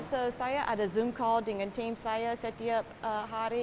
jadi saya ada zoom call dengan tim saya setiap hari